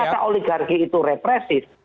kalau fakta oligarki itu represif